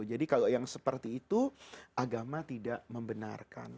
jadi kalau yang seperti itu agama tidak membenarkan